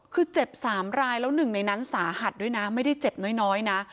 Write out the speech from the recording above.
คือเจ็บ๓รายแล้วหนึ่งในนั้นสาหัสด้วยนะไม่ได้เจ็บน้อยนะ